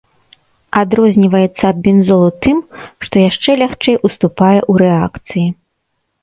Адрозніваецца ад бензолу тым, што яшчэ лягчэй уступае ў рэакцыі.